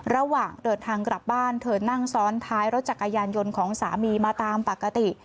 ระหว่างเดินทางกลับบ้านเธอนั่งซ้อนท้ายรถจักรยานยนต์ของสามีมาตามปกติ